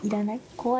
怖い？